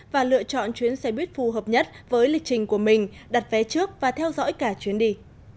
và lựa chọn chuyến xe buýt phù hợp nhất với lịch trình của mình đặt vé trước và theo dõi cả chuyến đi